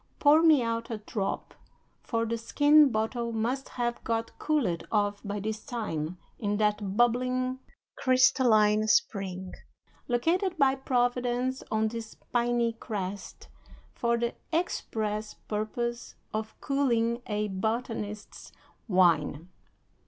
Pour me out a drop, for the skin bottle must have got cooled off by this time in that bubbling, crystalline spring, located by Providence on this piny crest for the express purpose of cooling a botanist's wine."